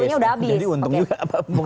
mungkin sudah habis jadi untung juga pak prabowo